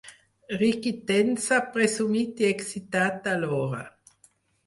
Riqui tensa, presumit i excitat alhora.